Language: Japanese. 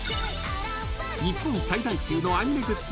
［日本最大級のアニメグッズ